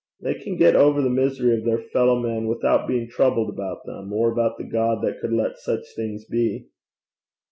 They can get over the misery of their fellow men without being troubled about them, or about the God that could let such things be.